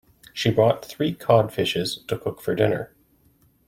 She bought three cod fishes to cook for dinner.